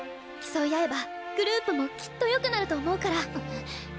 競い合えばグループもきっと良くなると思うから。